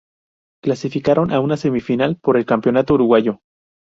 Clasificaron a una semifinal por el Campeonato Uruguayo.